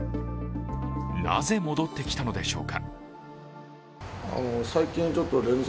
なぜ戻ってきたのでしょうか？